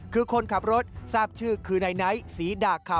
คือคนขับรถทราบชื่อคือนายไนท์ศรีดาคา